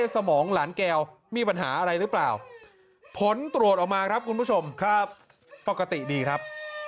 สมองหลานแก้วมีปัญหาอะไรหรือเปล่าผลตรวจออกมาครับคุณผู้ชมครับปกติดีครับ